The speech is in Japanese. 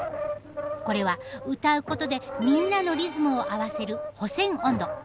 これは歌うことでみんなのリズムを合わせる「保線音頭」。